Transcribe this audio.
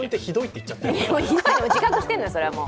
ひどいの、自覚してるのよ、それはもう。